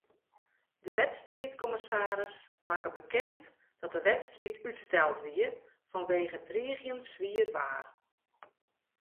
De wedstriidkommissaris makke bekend dat de wedstriid útsteld wie fanwege driigjend swier waar.